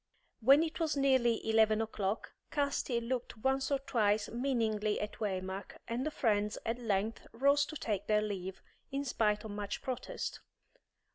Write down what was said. When it was nearly eleven o'clock, Casti looked once or twice meaningly at Waymark, and the friends at length rose to take their leave, in spite of much protest.